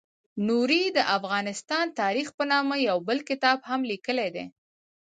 نوري د افغانستان تاریخ په نامه یو بل کتاب هم لیکلی دی.